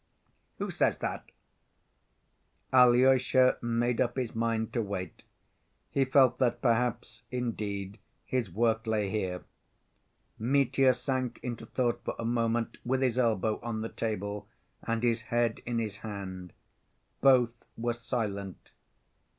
'—who says that?" Alyosha made up his mind to wait. He felt that, perhaps, indeed, his work lay here. Mitya sank into thought for a moment, with his elbow on the table and his head in his hand. Both were silent.